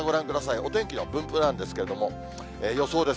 お天気の分布なんですけど、予想です。